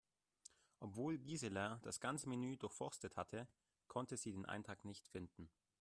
Obwohl Gisela das ganze Menü durchforstet hatte, konnte sie den Eintrag nicht finden.